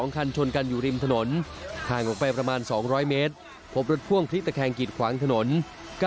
คนคับรถพ่วงรับบุว่า